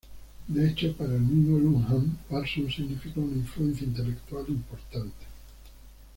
De hecho, para el mismo Luhmann, Parsons significó una influencia intelectual importante.